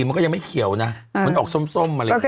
มันก็ยังไม่เขียวนะมันออกส้มอะไรอย่างนี้